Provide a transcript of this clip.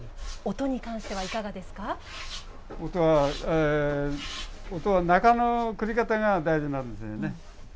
音は音は中のくり方が大事なんですよね。